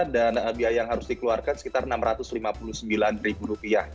dan biaya yang harus dikeluarkan sekitar enam ratus lima puluh sembilan rupiah